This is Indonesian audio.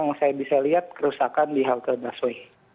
yang saya bisa lihat kerusakan di halte busway